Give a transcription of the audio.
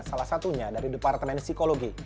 salah satunya dari departemen psikologi